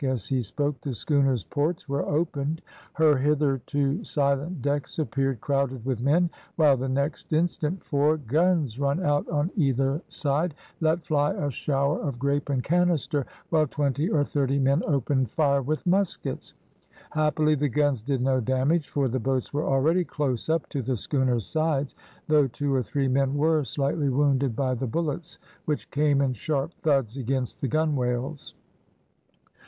As he spoke, the schooner's ports were opened. Her hitherto silent decks appeared crowded with men, while the next instant, four guns, run out on either side, let fly a shower of grape and canister, while twenty or thirty men opened fire with muskets. Happily the guns did no damage, for the boats were already close up to the schooner's sides, though two or three men were slightly wounded by the bullets which came in sharp thuds against the gunwales.